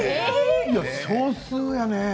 少数やね。